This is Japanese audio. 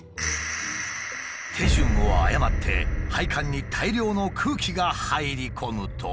手順を誤って配管に大量の空気が入り込むと。